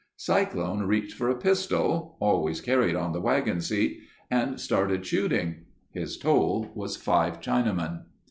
Cyclone reached for a pistol—always carried on the wagon seat, and started shooting. His toll was five Chinamen.